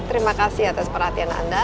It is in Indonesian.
terima kasih atas perhatian anda